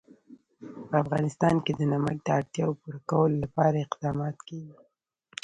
په افغانستان کې د نمک د اړتیاوو پوره کولو لپاره اقدامات کېږي.